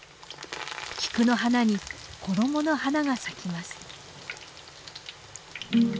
菊の花に衣の花が咲きます。